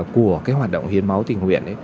của hoạt động hiến máu tỉnh huyện